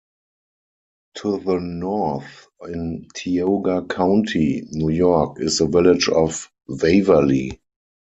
To the north in Tioga County, New York, is the village of Waverly.